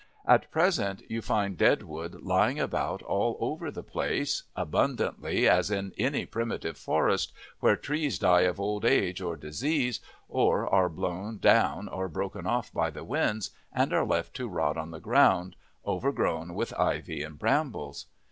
At present you find dead wood lying about all over the place, abundantly as in any primitive forest, where trees die of old age or disease, or are blown down or broken off by the winds and are left to rot on the ground, overgrown with ivy and brambles.